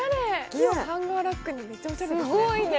木をハンガーラックにめっちゃおしゃれですねすごいね！